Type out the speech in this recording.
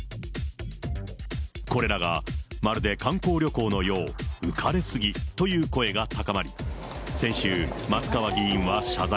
これらがまるで観光旅行のよう、浮かれすぎという声が高まり、先週、松川議員は謝罪。